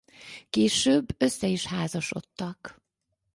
Később össze is házasodtak.